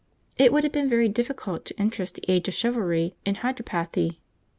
It would have been very difficult to interest the age of chivalry in hydropathy.